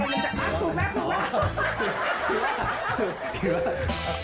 ถูกถูกถูก